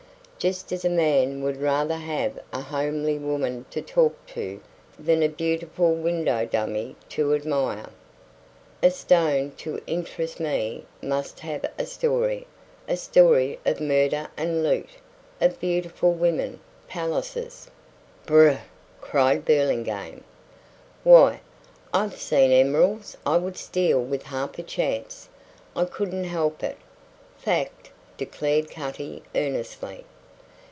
Just as a man would rather have a homely woman to talk to than a beautiful window dummy to admire. A stone to interest me must have a story a story of murder and loot, of beautiful women, palaces. "Br r r!" cried Burlingame. "Why, I've seen emeralds I would steal with half a chance. I couldn't help it. Fact," declared Cutty, earnestly.